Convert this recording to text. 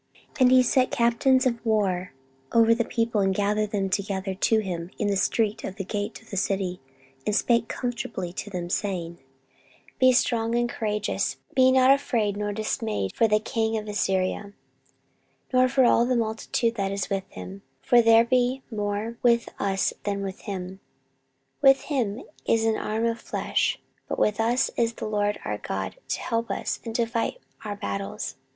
14:032:006 And he set captains of war over the people, and gathered them together to him in the street of the gate of the city, and spake comfortably to them, saying, 14:032:007 Be strong and courageous, be not afraid nor dismayed for the king of Assyria, nor for all the multitude that is with him: for there be more with us than with him: 14:032:008 With him is an arm of flesh; but with us is the LORD our God to help us, and to fight our battles.